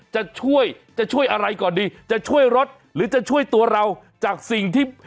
จะช่วยจะช่วยอะไรก่อนดีจะช่วยรถหรือจะช่วยตัวเราจากสิ่งที่